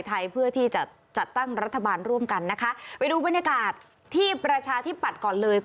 เพื่อที่จะจัดตั้งรัฐบาลร่วมกันนะคะไปดูบรรยากาศที่ประชาธิปัตย์ก่อนเลย